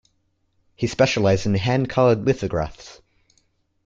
He specialized in hand-colored lithographs.